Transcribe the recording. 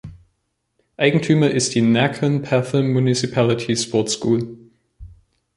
Eigentümer ist die "Nakhon Pathom Municipality Sport School".